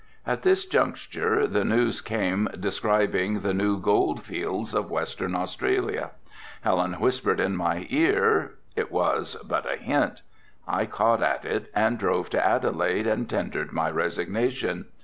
At this juncture the news came describing the new gold fields of Western Australia. Helen whispered in my ear, it was but a hint. I caught at it and drove to Adelaide and tendered my resignation.